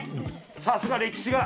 さすが歴史が。